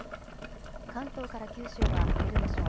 関東から九州は晴れるでしょう。